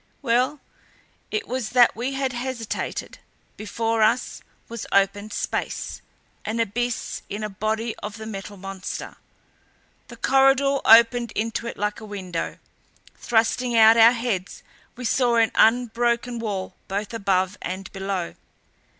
Well it was that we had hesitated. Before us was open space an abyss in the body of the Metal Monster. The corridor opened into it like a window. Thrusting out our heads, we saw an unbroken wall both above and below.